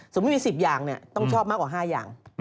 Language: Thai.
ไม่มี๑๐อย่างต้องชอบมากกว่า๕อย่าง